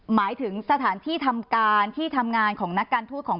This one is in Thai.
หมายถึงสถานที่ทำการที่ทำงานของนักการทูตของ